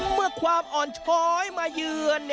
เมื่อความอ่อนช้อยมาเยือน